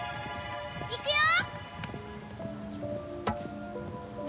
いくよ！